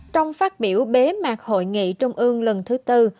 trong phát biểu bế mạc hội nghị trung ương lần thứ tư